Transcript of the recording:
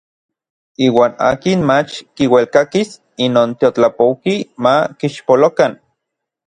Iuan akin mach kiuelkakis inon teotlapouki ma kixpolokan.